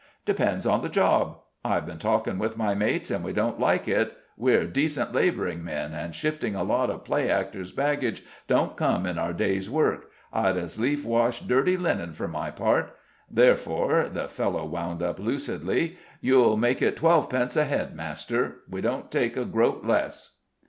"Depends on the job. I've been talkin' with my mates, and we don't like it. We're decent labouring men, and shifting a lot of play actors' baggage don't come in our day's work. I'd as lief wash dirty linen for my part. Therefore," the fellow wound up lucidly, "you'll make it twelvepence a head, master. We don't take a groat less."